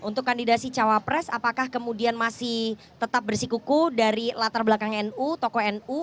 untuk kandidasi cawapres apakah kemudian masih tetap bersikuku dari latar belakang nu tokoh nu